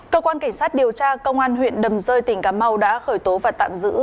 cơ quan cảnh sát điều tra công an huyện đầm rơi tỉnh cà mau đã khởi tố và tạm giữ